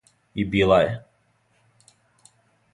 И била је!